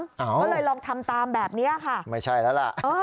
ก็เลยลองทำตามแบบเนี้ยค่ะไม่ใช่แล้วล่ะเออ